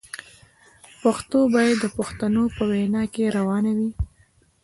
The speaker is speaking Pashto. پښتو باید د پښتنو په وینه کې روانه وي.